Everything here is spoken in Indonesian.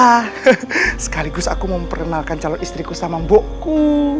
ah sekaligus aku mau memperkenalkan calon istriku sama mbokku